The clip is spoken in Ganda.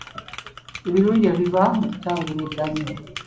Ebirungi ebiva mu kutangira ebbanyi